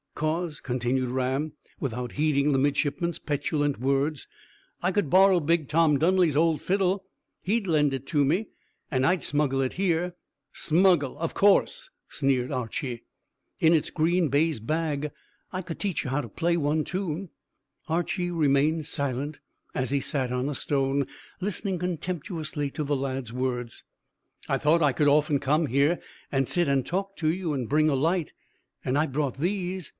"'Cause," continued Ram, without heeding the midshipman's petulant words, "I could borrow big Tom Dunley's old fiddle. He'd lend it to me, and I'd smuggle it here." "Smuggle, of course," sneered Archy. "In its green baize bag. I could teach you how to play one toon." Archy remained silent, as he sat on a stone, listening contemptuously to the lad's words. "I thought I could often come here, and sit and talk to you, and bring a light, and I brought these."